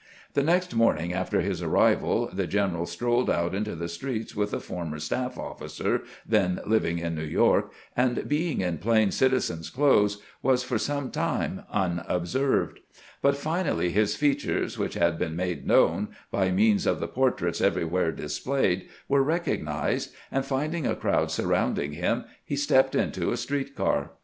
The next morning after his arrival the general stroUed out into the streets with a former staff officer then living in New York, and being in plain citizen's clothes, was for some time unobserved ; but fi nally his features, which had been made known by means of the portraits everywhere displayed, were recognized, and finding a crowd surrounding him, he stepped into a street car.